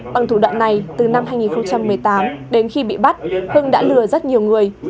bằng thủ đoạn này từ năm hai nghìn một mươi tám đến khi bị bắt hưng đã lừa rất nhiều người